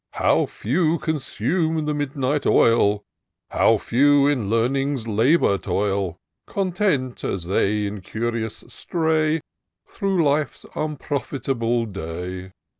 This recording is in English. How few consume the midnight oil ! How few in Learning's labour toil! Content, as they incurious stray Through life's improfitable day.